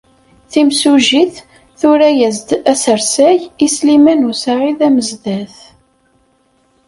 Timsujjit tura-as-d asersay i Sliman u Saɛid Amezdat.